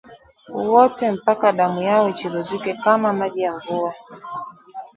wote mpaka damu yao ichuruzike kama maji ya mvua